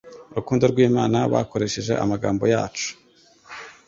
urukundo rw'Imana bakoresheje amagambo yacu.